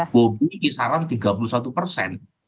bobi kisaran tiga puluh satu persen